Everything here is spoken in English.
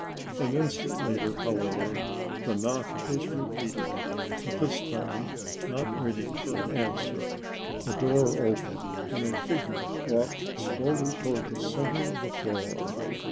An instant later, however, the knock was repeated, but this time, not waiting for an answer, the door opened and a figure walked slowly toward the center of the floor.